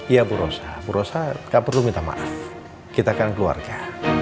ya bu rosa bu rosa gak perlu minta maaf kita kan keluarga